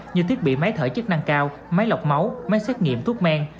như thiết bị máy thở chức năng cao máy lọc máu máy xét nghiệm thuốc men